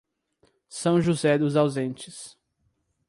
São José dos Ausentes